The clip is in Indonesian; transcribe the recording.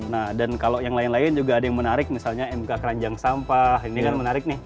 nah dan kalau yang lain lain juga ada yang menarik misalnya mk keranjang sampah ini kan menarik nih